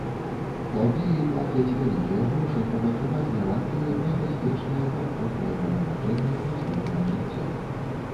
Халдзеі плацяць вялікія грошы, каб атрымаць гарантыю на бяспечнае камфортнае перараджэнне ў наступнае жыццё.